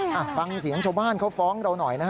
อ่ะฟังเสียงชาวบ้านเขาฟ้องเราหน่อยนะฮะ